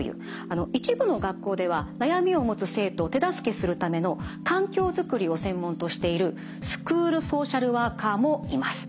一部の学校では悩みを持つ生徒を手助けするための環境作りを専門としているスクールソーシャルワーカーもいます。